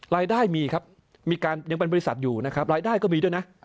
รายได้มีครับมีการยังเป็นบริษัทอยู่นะครับรายได้ก็มีด้วยนะ